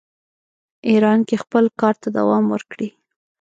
ایران کې خپل کار ته دوام ورکړي.